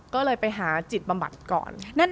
ก็เลยไปหาจิตบำบัดก่อน